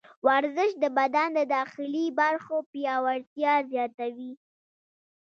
ورزش د بدن د داخلي برخو پیاوړتیا زیاتوي.